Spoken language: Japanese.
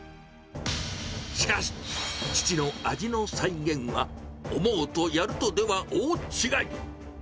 しかし、父の味の再現は思うとやるとでは大違い。